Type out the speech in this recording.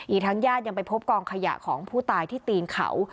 อีกทั้งญาติยังไปพบกองขยะของผู้ตายที่ตีนเขา